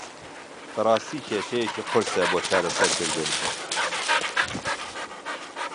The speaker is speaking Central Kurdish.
بەڕاستی کێشەیەکی قورسە بۆ چارەسەرکردن.